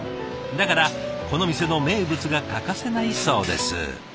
だからこの店の名物が欠かせないそうです。